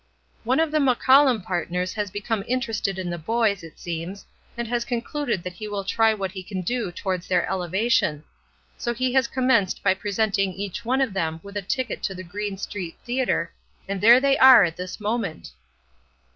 "One of the McCullum partners has become interested in the boys, it seems, and has concluded that he will try what he can do towards their elevation; so he has commenced by presenting each one of them with a ticket to the Green Street Theatre, and there they are at this moment!"